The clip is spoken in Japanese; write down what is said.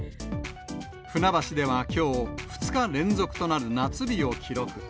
船橋ではきょう、２日連続となる夏日を記録。